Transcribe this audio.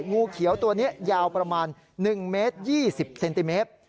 งูเขียวตัวนี้ยาวประมาณ๑เมตร๒๐เซนติเมตร